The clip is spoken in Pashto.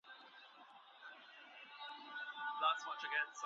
ماشومانو ته درانه کارونه نه سپارل کېږي.